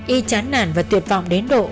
y chán nản và tuyệt vọng đến độ